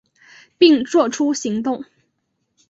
并做出行动